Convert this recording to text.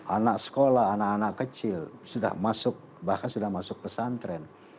anak sekolah anak anak kecil sudah masuk bahkan sudah masuk pesantren